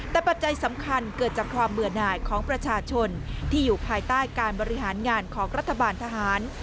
แต่ปัจจัยสำคัญเกิดจากความเบื่อหน่ายของประชาชนที่อยู่ภายใต้การบริหารงานของรัฐบาลทหาร